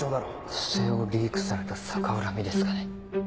不正をリークされた逆恨みですかね？